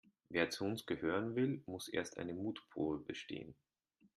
Wer zu uns gehören will, muss erst eine Mutprobe bestehen.